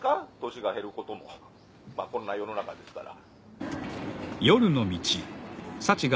「年が減ることもこんな世の中ですから」